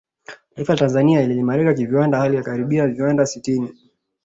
Taifa la Tanzania liliimarika kiviwanda hali ya karibia viwanda sitini